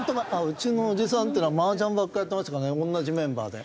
うちのおじさんっていうのはマージャンばっかやってましたからね同じメンバーで。